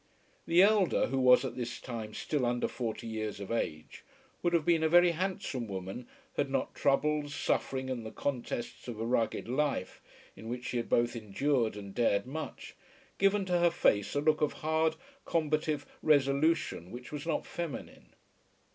The elder, who was at this time still under forty years of age, would have been a very handsome woman had not troubles, suffering, and the contests of a rugged life, in which she had both endured and dared much, given to her face a look of hard combative resolution which was not feminine.